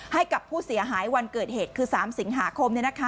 ให้กับผู้เสียหายวันเกิดเหตุคือ๓สิงหาคม